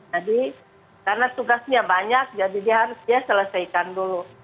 jadi karena tugasnya banyak jadi dia harus dia selesaikan dulu